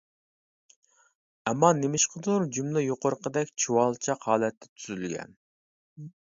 ئەمما نېمىشقىدۇر، جۈملە يۇقىرىقىدەك چۇۋالچاق ھالەتتە تۈزۈلگەن.